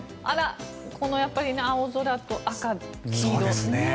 この青空と赤、黄色。